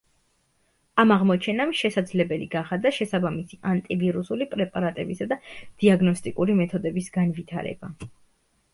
ამ აღმოჩენამ შესაძლებელი გახადა შესაბამისი ანტივირუსული პრეპარატებისა და დიაგნოსტიკური მეთოდების განვითარება.